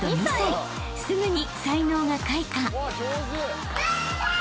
［すぐに才能が開花］